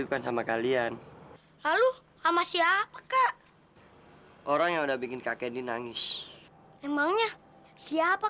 tapi kan sama kalian lalu ama siapa kak orang yang udah bikin kak kendi nangis emangnya siapa